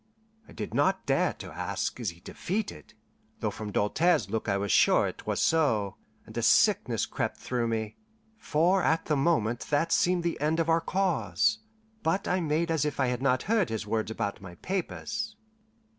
I did not dare to ask, Is he defeated? though from Doltaire's look I was sure it was so, and a sickness crept through me, for at the moment that seemed the end of our cause. But I made as if I had not heard his words about my papers.